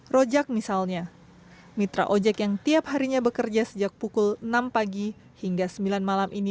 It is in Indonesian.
rojak misalnya mitra ojek yang tiap harinya bekerja sejak pukul enam pagi hingga sembilan malam ini